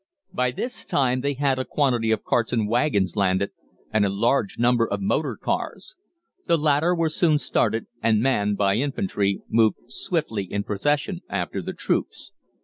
"By this time they had a quantity of carts and wagons landed, and a large number of motor cars. The latter were soon started, and, manned by infantry, moved swiftly in procession after the troops.